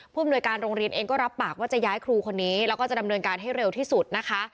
อำนวยการโรงเรียนเองก็รับปากว่าจะย้ายครูคนนี้แล้วก็จะดำเนินการให้เร็วที่สุดนะคะ